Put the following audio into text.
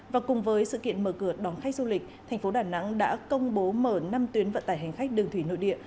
và cùng với sự kiện mở cửa đón khách du lịch thành phố đà nẵng đã công bố mở năm tuyến vận tải hành khách đường thủy nội địa